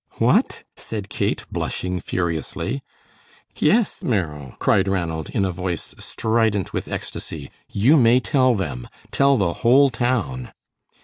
"What?" said Kate, blushing furiously. "Yes, Merrill," cried Ranald, in a voice strident with ecstasy, "you may tell them. Tell the whole town."